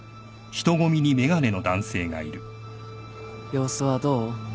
・様子はどう？